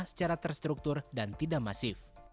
secara terstruktur dan tidak masif